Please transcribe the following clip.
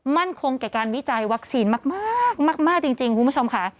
มั่นคงแก่การวิจัยวัคซีนมากจริงคุณผู้ชมค่ะ